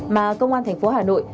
mà công an thành phố hà nội